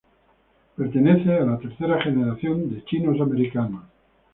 Pertenece a la tercera generación de chinos-americanos.